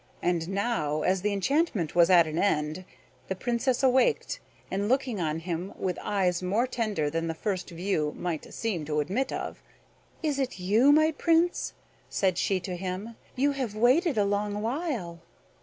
And now, as the enchantment was at an end, the Princess awaked, and looking on him with eyes more tender than the first view might seem to admit of: "Is it you, my Prince?" said she to him. "You have waited a long while."